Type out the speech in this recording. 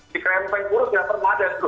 si krem peng kurus gak pernah ada itu